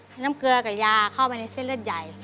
น้ำเกลือกับยาเข้าไปในเส้นเลือดใหญ่